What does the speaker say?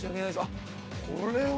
あっこれは。